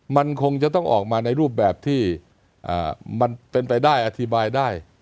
มันคงจะต้องออกมาในรูปแบบที่มันเป็นไปได้อธิบายได้